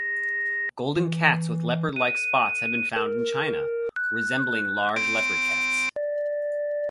Golden cats with leopard-like spots have been found in China, resembling large leopard cats.